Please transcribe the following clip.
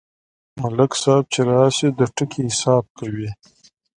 ملک صاحب چې راشي، د ټکي حساب کوي.